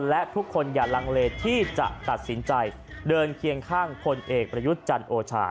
และทุกคนอย่าลังเลที่จะตัดสินใจเดินเคียงข้างพลเอกประยุทธ์จันทร์โอชา